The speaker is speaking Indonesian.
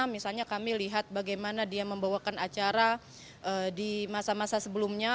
misalnya kami lihat bagaimana dia membawakan acara di masa masa sebelumnya